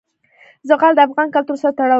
زغال د افغان کلتور سره تړاو لري.